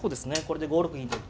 これで５六銀と。